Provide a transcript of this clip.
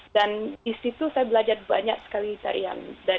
dan di situ saya belajar banyak sekali tarian